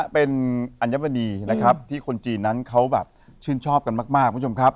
เป็นอัญมณีนะครับที่คนจีนนั้นเขาแบบชื่นชอบกันมากคุณผู้ชมครับ